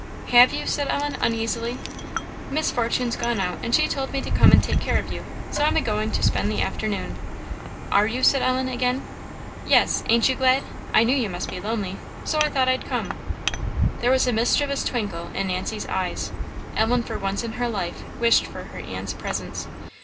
"Have you?" said Ellen, uneasily. "Miss Fortune's gone out, and she told me to come and take care of you; so I'm a going to spend the afternoon." "Are you?" said Ellen, again. "Yes; ain't you glad? I knew you must be lonely, so I thought I'd come." There was a mischievous twinkle in Nancy's eyes. Ellen for once in her life wished for her aunt's presence.